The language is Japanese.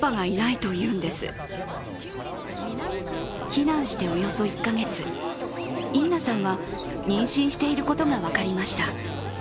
避難しておよそ１カ月インナさんは妊娠していることが分かりました。